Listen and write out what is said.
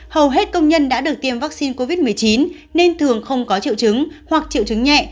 hầu hết công nhân đã được tiêm vaccine covid một mươi chín nên thường không có triệu chứng hoặc triệu chứng nhẹ